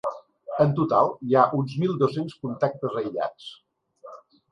En total hi ha uns mil dos-cents contactes aïllats.